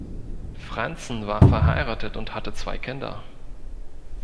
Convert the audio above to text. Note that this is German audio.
Franzen war verheiratet und hatte zwei Kinder.